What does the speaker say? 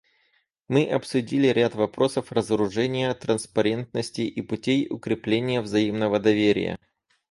Мы обсудили ряд вопросов разоружения, транспарентности и путей укрепления взаимного доверия.